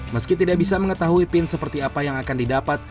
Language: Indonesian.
meski tidak bisa mengetahui pin seperti apa yang akan didapat